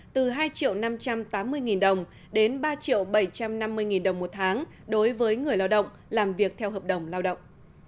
từ hai năm trăm tám mươi đồng đến ba bảy trăm năm mươi đồng một tháng đối với người lao động làm việc theo hợp đồng lao động